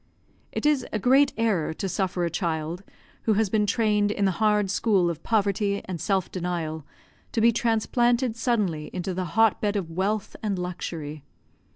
It is a great error to suffer a child, who has been trained in the hard school of poverty and self denial, to be transplanted suddenly into the hot bed of wealth and luxury.